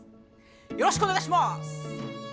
よろしくお願いします！